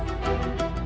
nih aku tidur